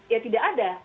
ya tidak ada